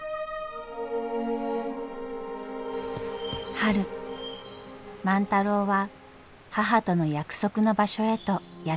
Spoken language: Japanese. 春万太郎は母との約束の場所へとやって来ました。